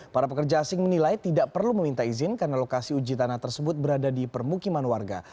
para pekerja asing menilai tidak perlu meminta izin karena lokasi uji tanah tersebut berada di permukiman warga